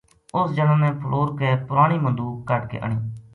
اُس جنا نے پھلور کے پرانی مدوک کڈھ کے آنی